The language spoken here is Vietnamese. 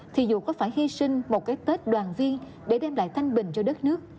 thì dù có phải hy sinh một cái tết đoàn viên để đem lại thanh bình cho đất nước